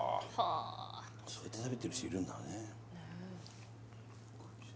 あそうやって食べてる人いるんだねねえ